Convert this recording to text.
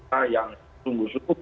ada yang vyus paramping kepadamu